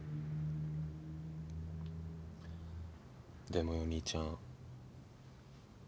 でもよ兄ちゃん。